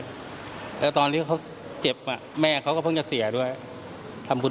และใครจะทำรวมไม่ได้กลัวมัด